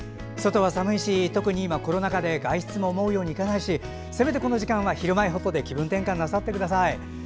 外は寒いし、特に今はコロナ禍で外出も思うようにいかないしせめてこの時間は「ひるまえほっと」で気分転換なさってください。